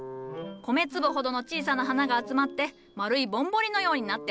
米粒ほどの小さな花が集まって丸いぼんぼりのようになっておる。